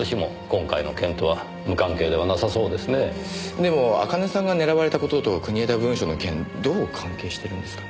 でも茜さんが狙われた事と国枝文書の件どう関係してるんですかね？